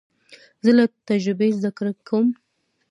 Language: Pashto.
زه له تجربې زده کړه کوم.